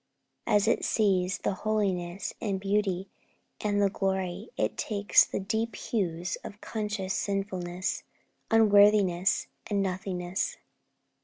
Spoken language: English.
As it sees the holiness, the beauty, and the glory, it takes the deep hues of conscious sinfulness, unworthiness, and nothingness.